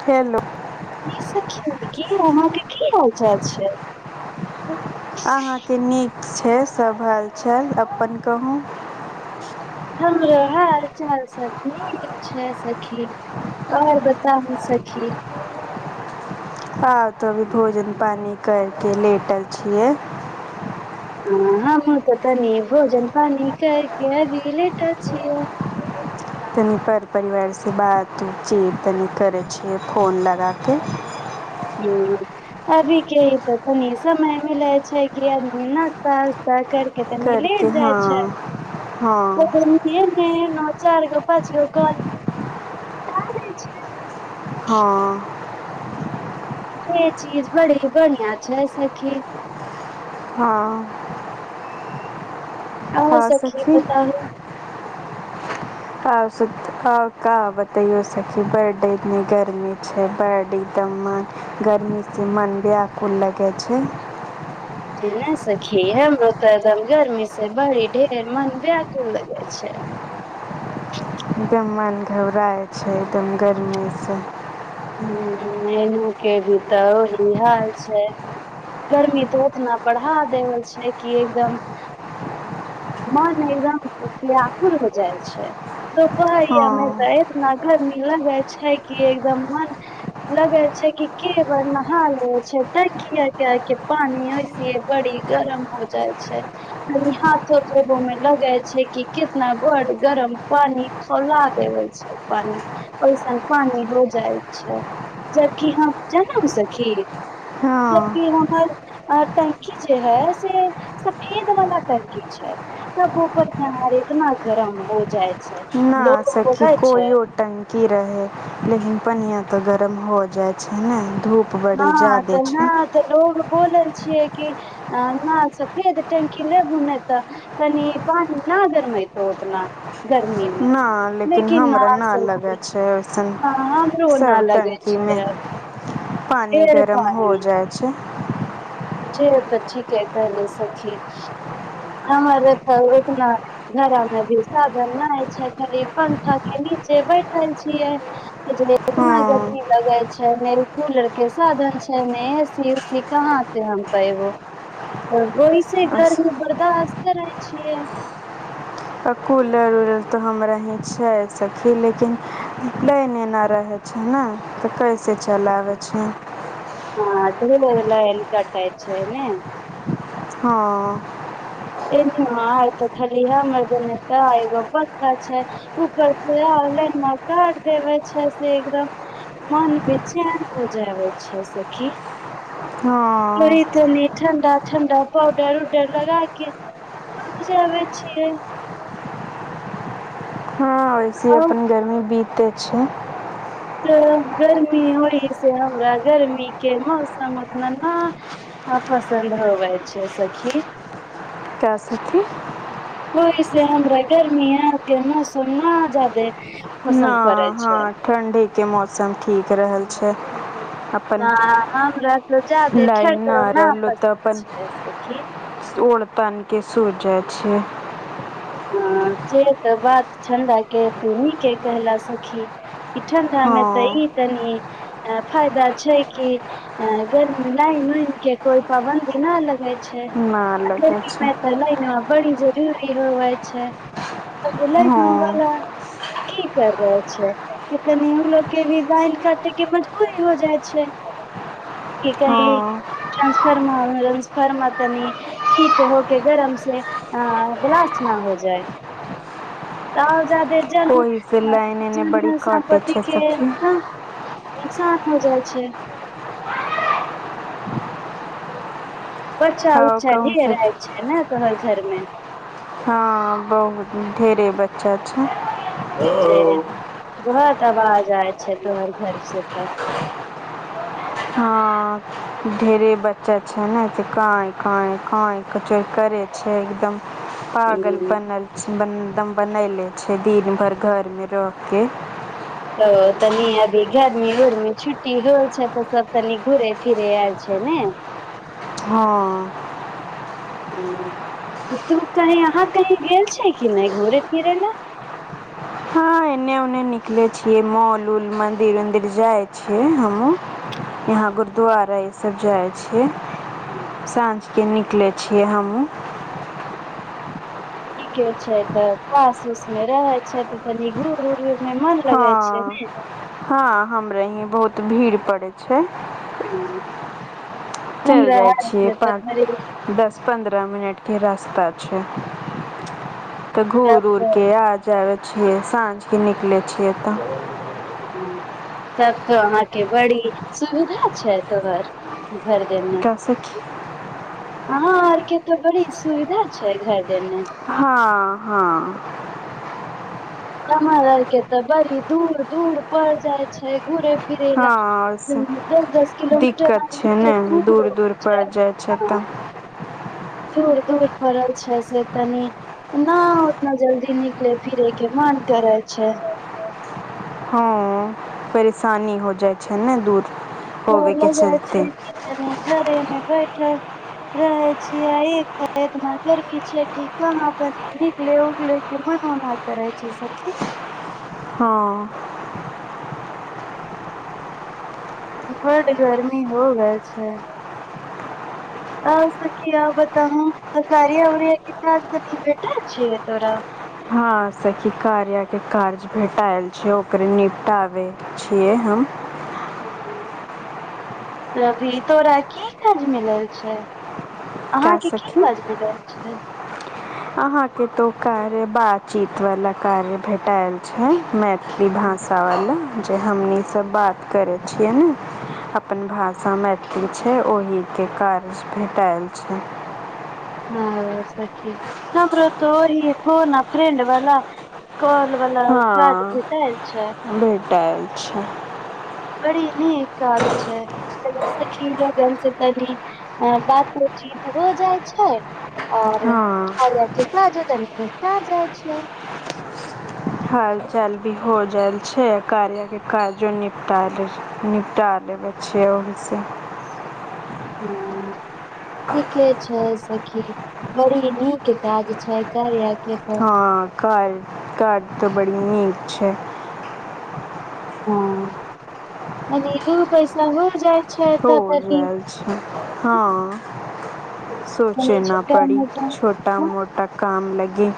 खेलू की सखी की अहांकें की हाल चाल छै अहाँके नीक छै सभ हाल छल अपन कहू हमरे हाल चाल स नठीक छै सखी आओर बताबू सखी आ तो अभी भोजन पानी करके लेटल छियै ह हमहूँ तऽ तनी भोजन पानी कर के अभी लेट छियै [inaudible] तनि पर परिवारसँ बात उतचीत तनि करै छियै फोन लगा कऽ अभी के त तनी ई समय मिलै छै कि अदमी तनि करके लेट जाइ छै हँ, हँ, चार गो पाँच गो कन हँ, जे चीज बड़ी बढ़िया छै सखी हँ आउ हँ सकी सखी, बता हू आ बतैयो सी बर्ड इतनी गर्मी छै बर्ड मन गर्मीसँ मन व्याकुल लगै छै ना सखी हमरो तऽ एकदम गर्मी से बड़ी ढेर मन ब्याकु लगे छै [inaudible] [inaudible] एकदम मन घबराइ छै एकदम गरमी से हँ एना के भी तऽही हाल छै गर्मी तऽ ओतना बढ़ा देने छै कि एकदम मन एकदम व्याकुल हो जाए छै सब कहैय हँ। की एतना गर्मी लगय छै की एकदम मन लगय छै कि केवल नहा ले छै टंकी के पानी बड़ी गरम हो जाइ छै कनि हाथो धोबो में लगे छै कि कितना बड गरम पानी खौला देबै छै पानी पैसन पान हो जाइ जें की हम बुझलहुँ सखी जबकि हँ, हमर टंकी जे है से सफेद वाला टंकी छै तब पर केनाा इतना गरम हो जाए न सखी कोईओ टंकी रहै लेकिन पनिआ तऽ गरम हो जाइ छै ने हँ त हँ त ओ बोलय छियै कि न सब फेर टंकी ल बुनेते कनि पानी ना गर्मी त ऊतना गर्मी मे ना लेकिन हमरा ना लगै सर्दी छै न ऐसनऽ हमरो न सब लगे टंकी छै पानी ढेर गरम हो जाइ छै जे त ठीके कहलों सखी हमर तऽ ओतना घरामे भी साधन नहिइ छै खाली पंखा नीचे बैठल छियै हँ, इतना गर्मी लगे छै कूलर के साधन छै ने एसी उसी कहाँते हम पैएबो तऽ ओहिस इधर गर्मी आ बर्दास्त करै छियै आ कूलर उलर तो हमरा ही छै सखी लेकिन लाइन न रहे छै ने तऽ कैसे चलआबै छै हमरा दु बेर लाइन कटैय छैय न हँ ए आ तऽ खाली ह मरदने त एगो पक्का छै ककर छै काट देबे छै से एकदम मन बेचैन हो जावे छै सखी किए हँ थोड़ी तनी ठण्डा ठण्डा पौडर उडर लगा क तू त जानें छियै वेसे आब अपन गरमी बीतै छै तऽ गर्मी होइ से हमरा गर्मी के मौसम उतना न हँ पसंद होवय छै सखी क्या सखी ओयसे हमरा गर्मी के मौसम न जादे न पसन्द पड़ै हँ छै ठण्ढी के मौसम ठीक रहल छै अपन ह हमरा तोच दे छै लाइन [inaudible] ना ओड़तान के सुत जाइ छिय ह से त बात छन्दा के तु निके कहलए सखी किछे टाइम मे त इ हाँ कनी अ फायदा छै कि अ गरमी लाइन उन के कोई पाबन्दी केना लगय छै ना अर लगे की छै मे तऽ लै ने बरी जरूरी होवै छै लड़का वला हाँ की करत जाइ छै कि तनि ओ लोक के भी लाइन काटे के मजबूरी हो जाय छै की कही हाँ ट्रान्सफरमर ट्रान्सफरमर तनी हीट होके गरम से ब्लास्ट न हो जाए तऽ ओहि से लाइन एने बड़ी बेन काटे सम्पतति छै के सखी ह [unintelligible] श हो जाइ छै बच्छा हाँ उच्छा कहूँ रहै छै ने तहर घरमे हँ बहुत ढेरे बच्चा छै जे बहुत तब आ जाइ छै तोम्हर घर से तऽ ह ढेरे बच्चा छै ने काइ काइ काइ का कचर कय छै एकदम पागल ह बनल ब एकदम बनले छै दिन भर घर मे रहि के ओ तनी अभी गरमी उर्मी छुट्टी होइ छै तऽ सब तनि घुरे फिरे आयल छै ने हँ हूँ तू कहीं अहाँ कहीं गेल छै कि नहि घूरय फिरै ले हँ एने ने निकले छियै मॉल उल मंदिर उदिर जाइ छियै हमहु यहाँ गुरुद्वारा ईसभ जाइ छी साँझकेँ निकलै छियै हमहूँ ठीके छै तऽ फास उस मे रहे छै तऽ कनि घूर उर मे मन लगे छै हँ ने हँ हमरा इी बहुत भीड़ पड़े छै हँ चलि हमरा जाइ आर छियै के तऽ बड़ी पाँच दस पन्द्रह मिनट के रास्ता छै तऽ तब घूर उऊर तऽ के आ जाब छियै साँझके निकलै छियै तऽ ह तब तऽ अहाँके बड़ी सुविधा छै तोहर घर देने एकरा सखी आहाँ आरके तऽ बड़ी सुविधा छै घर देमे हँ हँ हमर आर के तऽ बड़ी दूर दूर पर जाय छै घुरे फिर हँ आओर सब दस दस दिक्कत किलोमीटर छै ने दूर पड़ छै जाइ छै ह [inaudible] [inaudible] त फरज छै से तनी [inaudible] न उतना जल्दी निकले फिरे के मन करै छै हँ परेशानी हो जाइ छै ने दूर प होबेके लगा छै चलते कि घरे मे बैठल रहे छिये आ एक प्रारथना करबी छै कि कहाम बने निकले उकले मन [unintelligible] न न करै छै सखी हँ बड्ड गर्मी हो गेल छै आओर सखी बतायी कार्या उरिया के काज तनी भेटल छौ तोरा हँ हँ सखी कार्याके काज भेटिएल छै ओकरे निपटाबै छियै हम अभी तोरा की काज मिलल छै का अहाँके की सखी काज मिलल छै अहाँको तो कार्य बातचीत वाला कार्य भेटाएल छै मैथिली भाषा वाला जे हमनी सब बात करै छियै ने अपन भाषा मैथिली छै ओहि के कार्य भेटायल छै हँ सखी हमरो तो वही है फोन आ फ्रेंड वाला कल वाला स्वाद हँ भेटायल छै भेटायल छै बड़ी नीक काज छै सखी लोगन से तनी बातोचीत हो जाइ छै आओर आ हँ कार्या जो तनि जाइ छिय [unintelligible] हाल चाल भी हो जायल छै कार्या के काजो निपटा निपटा लेबै छियै ओहिसे हूँ ठीके छै सखी बड़ी नीक काज छै कार्याक हां काज तऽ बड़ी नीक छै हँ कनि दू पैसा हो जाइ छै हो तऽ तनी जाए छै हाँ सोचे तनी न छोटा पड़ी मोटा छोटा मोटा काम लगे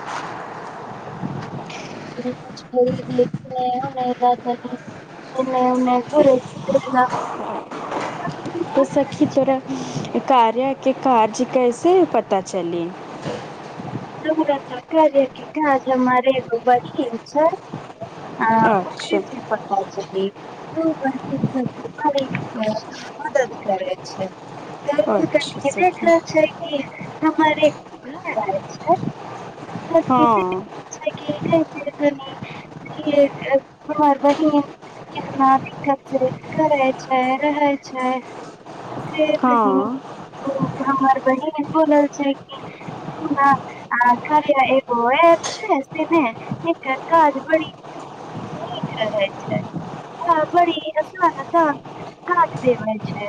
[inaudible] ब [inaudible] एने ओने करे से बढ़ियां बस सखी तोरा कार्या के कारज कैसे पता चली हमरा तऽ कार्या के काज मारे बढ़ि गेल छै आ ओकरी अच्छा, ची पता छै [unintelligible] र मदद करै छै [unintelligible] त अच्छा सखी। देखना छै कि हमारे छै [unintelligible] सबके हाँ, [unintelligible] हरबढ़ [unintelligible] केतना भी करैए छै रहैए छै कनि हाँ, ओ हमर बहिन बोलल छै कि बड़ा [unintelligible] आ कार्या एगो एप छै देने तेकर काज बड़ी रहै छै हँ बड़ी असान काज दैबैइ छै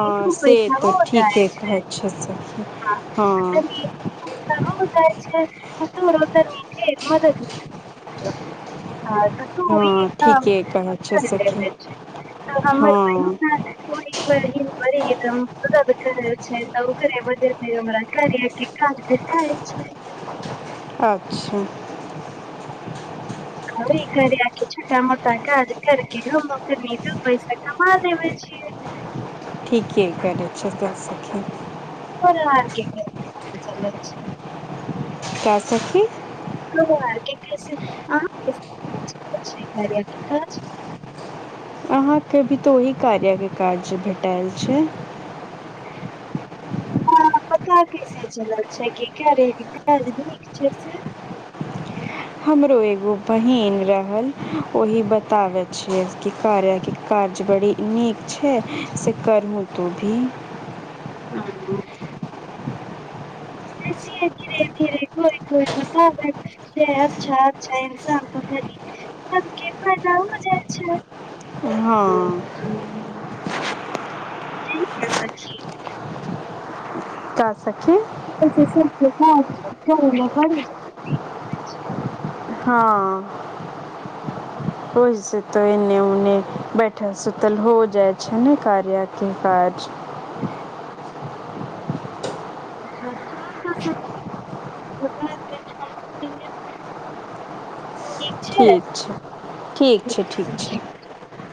हाँ से पैसा तऽ हो जाइ ठीके छै कहैछियै सखी हाँ जा छै र त मि म हो [unintelligible] हाँ काम ठीके कहै छै सखी। [unintelligible] तऽ हमर बहिन हाँ, ओहि बहिन बरी एक दम दर्द करय छै ओकरे वजह सँ हमरा कार्या के काज भेटाइछैइ अच्छा घरी कार्या आ के छोटा मोटा काज करके घूम के लेल दू पैसा कमा लेबैइ छैइ जी ठीके करे छैइ सखी हँ का सखी ह [unintelligible] कि अछि कार्या के काज अहाँके भी तऽ ओहि कार्या के काज भेटाएल छैइ हँअ् पता कैसे चलैइ छैइ कि कार्या के काज नीक छैइ से [inaudible] हमरो एगो बहिन रहल ओहि बतावे छिअई कि कार्या के कार काज बड़ी नीक छैइ से करहूं तू भी हं हं बेसिये धीरे धीरे कोइ कोइ पता लगइ छैइ अच्छा अच्छा इन्सानके पता त केतना काम होउ जाय छै हँ ठीकै से सखी कह सखी करय छै हँ ओहिसँ त एने उने बैठल सुतल हो जाइ छै ने कार्या के काज [unintelligible] आओर सब सखी [unintelligible] ठीक ठीक छै छै छै ठीक